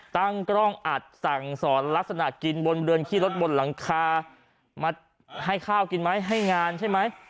ตั้งกล้องอัดสั่งสอนลักษณะกินบนเรือนขี้รถบนหลังคามาให้ข้าวกินไหมให้งานใช่ไหม